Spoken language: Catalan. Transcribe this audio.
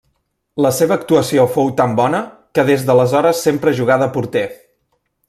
La seva actuació fou tan bona que des d'aleshores sempre jugà de porter.